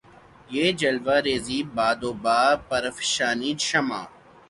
بہ جلوہ ریـزئ باد و بہ پرفشانیِ شمع